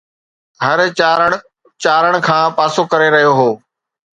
هر چارڻ چارڻ کان پاسو ڪري رهيو هو